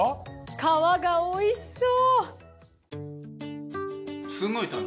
皮が美味しそう。